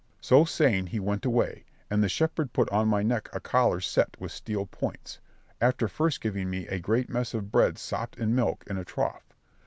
So saying he went away, and the shepherd put on my neck a collar set with steel points, after first giving me a great mess of bread sopped in milk in a trough.